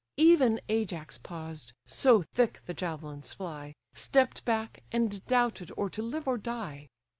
Even Ajax paused, (so thick the javelins fly,) Stepp'd back, and doubted or to live or die.